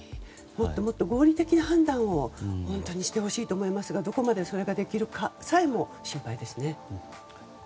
もっともっと合理的な判断をしてほしいと思いますがどこまでそれができるかさえも心配ですね。